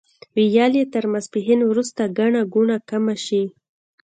ویل یې تر ماسپښین وروسته ګڼه ګوڼه کمه شي.